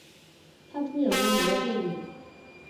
她出演过很多电影。